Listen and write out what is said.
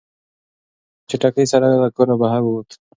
هغه په چټکۍ سره له کوره بهر ووت.